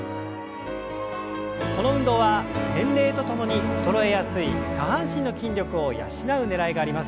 この運動は年齢とともに衰えやすい下半身の筋力を養うねらいがあります。